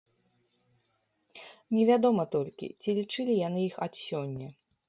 Невядома толькі, ці лічылі яны іх ад сёння.